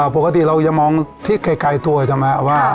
ปกติเราอยากมองที่ไกลตัวอย่างนึง